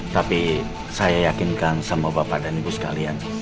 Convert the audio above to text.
tapi saya yakinkan sama bapak dan ibu sekalian